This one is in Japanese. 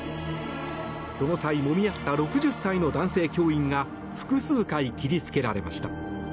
その際、もみ合った６０歳の男性教員が複数回切りつけられました。